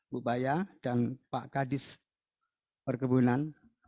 bupaya dan pak gadis perkebunan